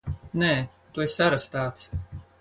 Nē! Tu esi arestēts!